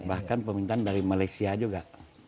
bahkan permintaan dari malaysia juga